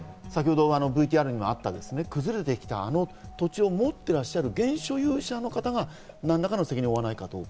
ＶＴＲにもあった崩れてきたあの土地を持っていらっしゃる現所有者の方が、何らかの責任を負わないかどうか。